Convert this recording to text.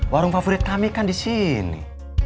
warung favorit kami kan disini